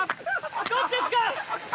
どっちですか？